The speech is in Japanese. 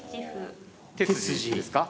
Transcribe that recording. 手筋ですか？